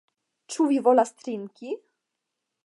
Ĉu vi volas trinki?